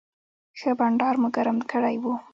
ښه بنډار مو ګرم کړی و.